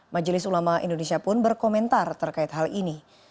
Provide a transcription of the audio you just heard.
majelis ulama indonesia pun berkomentar terkait hal ini